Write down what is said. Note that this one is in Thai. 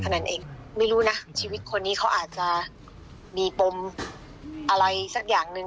นั้นเองไม่รู้นะชีวิตคนนี้เขาอาจจะมีปมอะไรสักอย่างหนึ่ง